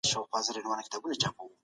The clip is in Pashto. لمر په پوستکي ځانګړي مواد فعالوي.